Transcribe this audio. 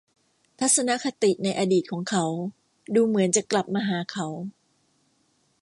ทัศนคติในอดีตของเขาดูเหมือนจะกลับมาหาเขา